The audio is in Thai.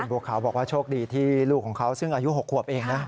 บัวขาวบอกว่าโชคดีที่ลูกของเขาซึ่งอายุ๖ขวบเองนะ